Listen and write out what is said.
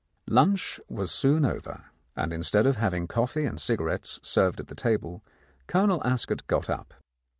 Lunch was soon over, and instead of having coffee and cigarettes served at the table, Colonel Ascot got up.